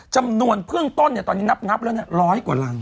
จำนวนพึ่งต้นตอนนี้นับนับแล้วเนี่ย๑๐๐กว่ารัง